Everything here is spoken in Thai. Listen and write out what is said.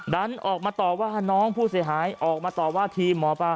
ดันออกมาตอบว่าน้องผู้เสียหายออกมาตอบว่าทีมหมอปลา